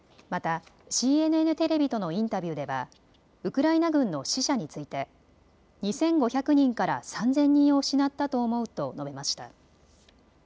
また、ＣＮＮテレビとのインタビューではウクライナ軍の死者について２５００人から３０００人を失ったと思うと述べました。